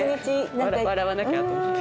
笑わなきゃと思って。